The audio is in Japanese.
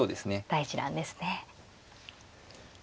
大事なんですね。